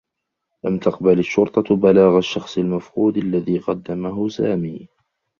لم تقبل الشّرطة بلاغ الشّخص المفقود الذي قدّمه سامي.